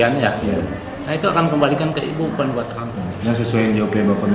nah itu akan kembalikan ke ibu bukan buat kami